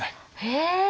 へえ！